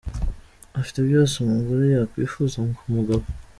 Afite byose umugore yakwifuza ku mugabo.